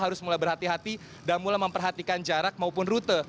harus mulai berhati hati dan mulai memperhatikan jarak maupun rute